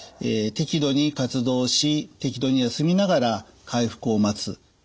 適度に活動し適度に休みながら回復を待つ。